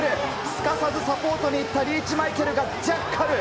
すかさずサポートに行ったリーチマイケルがジャッカル。